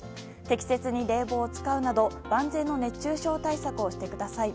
適切に冷房を使うなど万全の熱中症対策をしてください。